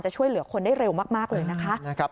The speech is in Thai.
ช่วยเหลือคนได้เร็วมากเลยนะคะ